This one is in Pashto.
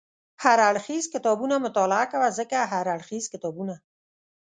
هر اړخیز کتابونه مطالعه کوه، ځکه هر اړخیز کتابونه